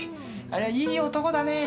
あれいい男だねぇ。